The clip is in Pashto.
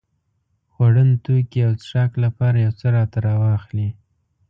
خوړن توکي او څښاک لپاره يو څه راته راواخلې.